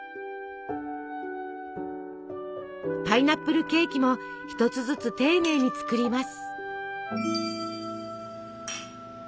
パイナップルケーキも一つずつ丁寧に作ります。